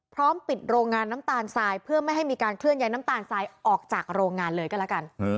พร้อมปิดโรงงานน้ำตาลทรายเพื่อไม่ให้มีการเคลื่อนย้ายน้ำตาลทรายออกจากโรงงานเลยก็แล้วกัน